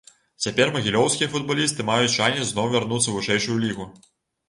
Цяпер магілёўскія футбалісты маюць шанец зноў вярнуцца ў вышэйшую лігу.